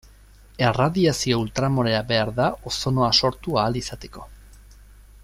Erradiazio ultramorea behar da ozonoa sortu ahal izateko.